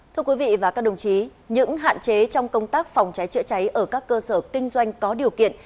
thưa quý vị và các đồng chí những hạn chế trong công tác phòng cháy chữa cháy ở các cơ sở kinh doanh có điều kiện